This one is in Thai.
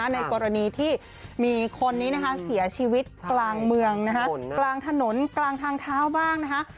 ในกรณีที่มีคนนี้นะคะเสียชีวิตกลางเมืองนะคะกลางถนนกลางทางเท้าบ้างนะคะ